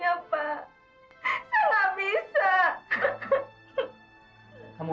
aku tak tahu apa maksudmu